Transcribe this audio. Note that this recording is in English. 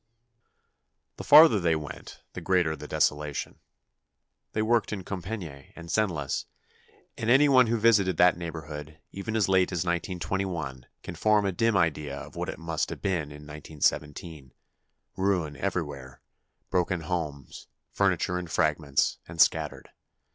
The farther they went, the greater the desolation. They worked in Compiègne and Senlis, and anyone who visited that neighborhood, even as late as 1921, can form a dim idea of what it must have been in 1917. Ruin everywhere, broken homes; furniture in fragments, and scattered.